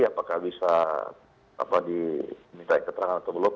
apakah bisa diminta keterangan atau belum